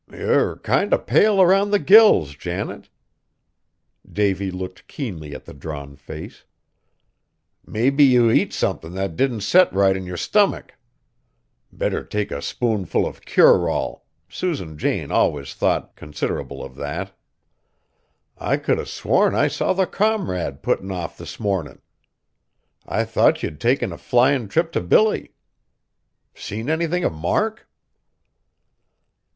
"Yer kinder pale round the gills, Janet." Davy looked keenly at the drawn face. "Maybe ye eat somethin' that didn't set right on yer stummick. Better take a spoonful of Cure All, Susan Jane allus thought considerable of that. I could 'a' sworn I saw the Comrade puttin' off this mornin'. I thought ye'd taken a flyin' trip to Billy. Seen anythin' of Mark?"